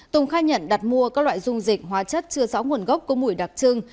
tùng khai nhận đặt mua các loại dung dịch hóa chất chưa rõ nguồn gốc có mùi đặc trưng